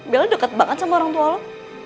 bella dekat banget sama orang tua lo